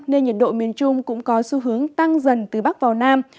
nên nhiệt độ miền trung cũng có xu hướng tăng dần từ bắc vào nam